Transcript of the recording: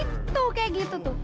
itu kayak gitu tuh